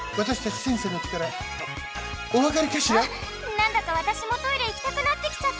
なんだかわたしもトイレいきたくなってきちゃった。